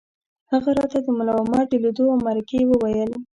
هغه راته د ملا عمر د لیدو او مرکې وویل